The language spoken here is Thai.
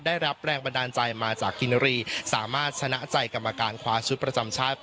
ได้รับแรงบันดาลใจมาจากกินรีสามารถชนะใจกรรมการคว้าชุดประจำชาติ